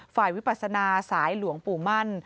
วิปัสนาสายหลวงปู่มั่น